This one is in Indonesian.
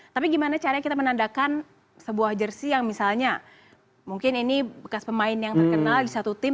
tapi gimana caranya kita menandakan sebuah jersi yang misalnya mungkin ini bekas pemain yang terkenal di satu tim